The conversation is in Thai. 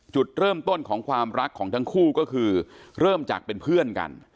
จุดเริ่มต้นของความรักของทั้งคู่ก็คือเริ่มจากเป็นเพื่อนกัน